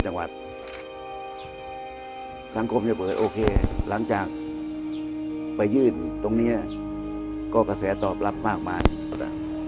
สังคมจะเปิดโอเคหลังจากไปยื่นตรงนี้ก็กระแสตอบรับมากมายนะ